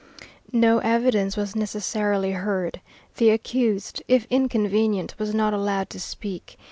No evidence was necessarily heard. The accused, if inconvenient, was not allowed to speak.